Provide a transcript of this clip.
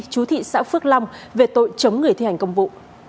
chú thị xã phước long về tội chống người thi hành công vụ